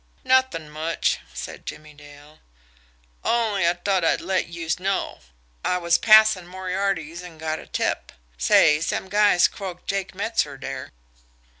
"Nuthin' much," said Jimmie Dale. "Only I t'ought I'd let youse know. I was passin' Moriarty's an' got de tip. Say, some guy's croaked Jake Metzer dere."